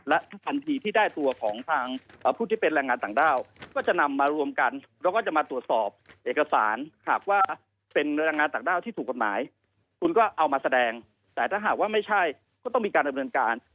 และทันทีที่ได้ตัวของทางผู้ที่เป็นแรงงานต่างด้าวก็จะนำมารวมกันแล้วก็จะมาตรวจสอบเอกสาร